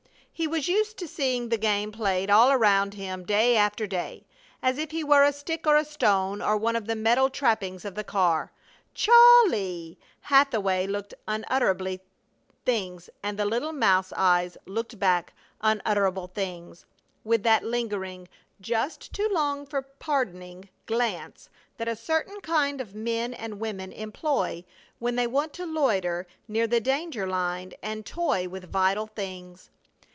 He was used to seeing the game played all around him day after day, as if he were a stick or a stone, or one of the metal trappings of the car. "Chawley" Hathaway looked unutterable things, and the little mouse eyes looked back unutterable things, with that lingering, just too long for pardoning glance that a certain kind of men and women employ when they want to loiter near the danger line and toy with vital things.